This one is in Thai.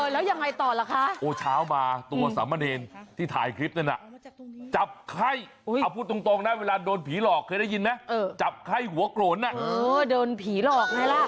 แล้วเวลาโดนผีหลอกเคยได้ยินไหมเออจับไข้หัวกโกนน่ะเออโดนผีหลอกไงล่ะ